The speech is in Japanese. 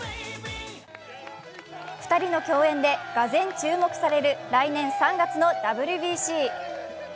２人の共演でがぜん注目される来年３月のＷＢＣ。